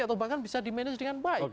atau bahkan bisa di manage dengan baik